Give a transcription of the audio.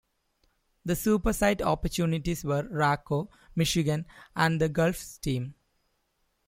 The supersite opportunities were Raco, Michigan and the Gulf Stream.